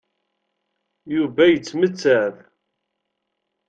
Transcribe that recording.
Yuba yettmettat.